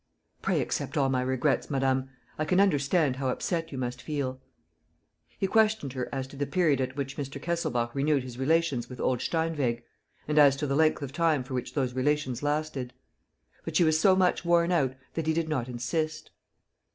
"Pray accept all my regrets, madame. ... I can understand how upset you must feel. ..." He questioned her as to the period at which Mr. Kesselbach renewed his relations with old Steinweg and as to the length of time for which those relations lasted. But she was so much worn out that he did not insist.